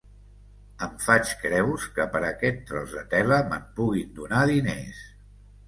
Em faig creus que per aquest tros de tela me'n puguin donar diners.